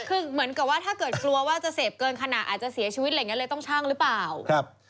คือเหมือนกับว่าถ้าเกิดกลัวว่าจะเสพเกินขนาดอาจจะเสียชีวิตอะไรอย่างเงี้เลยต้องชั่งหรือเปล่าครับ